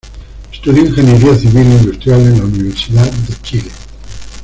Estudió Ingeniería Civil Industrial en la Universidad de Chile.